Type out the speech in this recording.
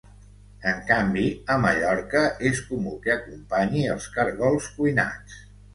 En canvi, a Mallorca és comú que acompanyi els caragols cuinats.